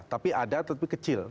tapi ada tapi kecil